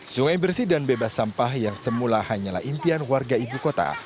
sungai bersih dan bebas sampah yang semula hanyalah impian warga ibu kota